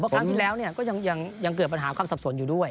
เพราะครั้งที่แล้วก็ยังเกิดปัญหาศัพท์ส่วนอยู่ด้วย